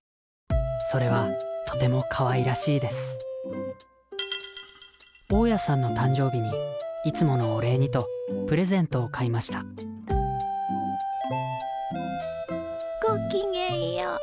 それはとてもかわいらしいです大家さんの誕生日にいつものお礼にとプレゼントを買いましたごきげんよう。